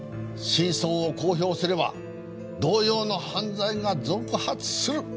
真相を公表すれば同様の犯罪が続発する。